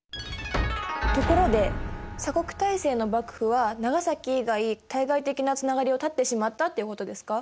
ところで鎖国体制の幕府は長崎以外対外的なつながりを絶ってしまったっていうことですか？